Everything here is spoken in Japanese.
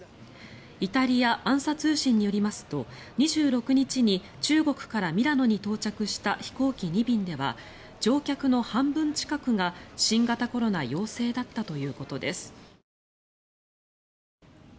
イタリア、ＡＮＳＡ通信によりますと２６日に中国からミラノに到着した飛行機２便では乗客の半分近くが新型コロナ陽性だったということです。